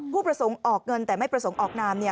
ผู้ประสงค์ออกเงินแต่ไม่ประสงค์ออกนาม